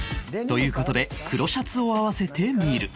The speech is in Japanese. という事で黒シャツを合わせてみる